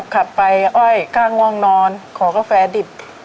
ขับไปอ้อยค่าง่วงนอนขอกาแฟดิบ